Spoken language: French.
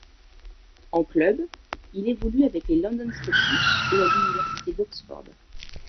En club, il évolue avec les London Scottish et à l'Université d'Oxford.